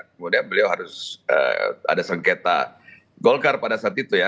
kemudian beliau harus ada sengketa golkar pada saat itu ya